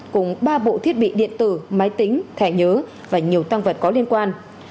cùng ba bộ thiết bị điện tử máy tính thẻ nhớ và nhiều tăng vật có liên quan